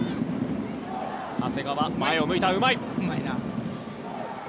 長谷川、前を向いたうまい！